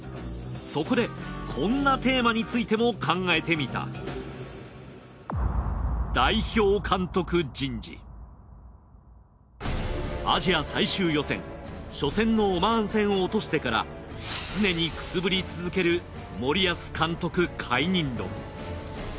そこでこんなテーマについても考えてみたアジア最終予選初戦のオマーン戦を落としてから常にくすぶり続ける森保監督解任論。